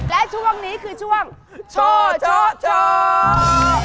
และช่วงนี้คือช่วงโชว์โชว์โชว์